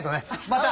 また！